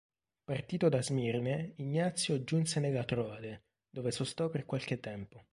Partito da Smirne, Ignazio giunse nella Troade, dove sostò per qualche tempo.